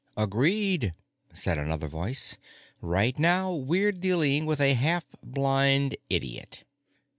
"Agreed," said another voice; "right now, we're dealing with a half blind idiot."